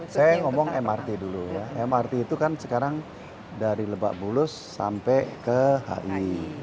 saya ngomong mrt dulu ya mrt itu kan sekarang dari lebak bulus sampai ke hi